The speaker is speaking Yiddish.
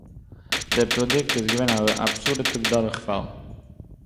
דער פּראָדוקט איז געווען אַן אַבסאָלוטער דורכפאַל